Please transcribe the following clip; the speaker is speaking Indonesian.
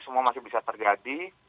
semua masih bisa terjadi